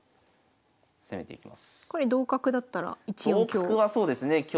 これ同角だったら１四香。